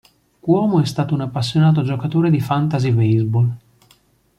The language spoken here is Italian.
Cuomo è stato un appassionato giocatore di fantasy baseball.